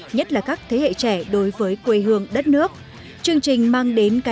nhất là các thế hệ trẻ đối với quê hương đất nước